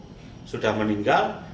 ibu sudah meninggal